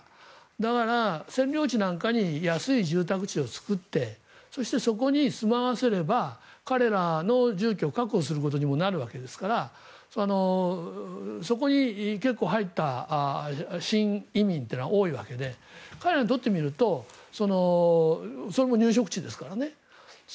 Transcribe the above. だから、占領地なんかに安い住宅地を作ってそしてそこに住まわせれば彼らの住居を確保することにもなるわけですからそこに結構入った新移民は多いわけで彼らにとってみるとそれも入植地ですからね。